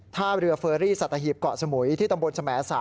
ท่าเรือเฟอรี่สัตหีบเกาะสมุยที่ตำบลสม๓